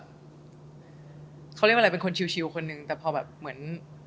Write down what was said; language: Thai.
เขาเรียกว่าอะไรเป็นคนชิวคนนึงแต่พอแบบเหมือน